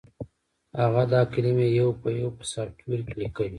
هغه دا کلمې یو په یو په سافټویر کې لیکلې